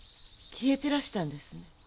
消えてらしたんですね。